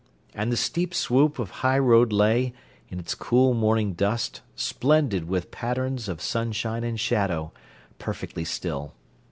And the steep swoop of highroad lay, in its cool morning dust, splendid with patterns of sunshine and shadow, perfectly still.